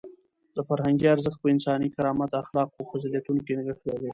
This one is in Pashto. د فرهنګ ارزښت په انساني کرامت، اخلاقو او فضیلتونو کې نغښتی دی.